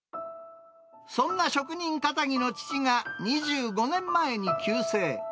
そんな職人気質の父が２５年前に急逝。